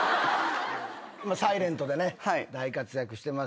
今『ｓｉｌｅｎｔ』でね大活躍してますけども。